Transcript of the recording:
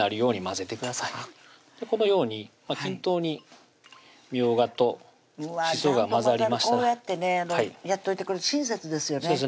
このように均等にみょうがとしそがこうやってねやっといてくれる親切ですよね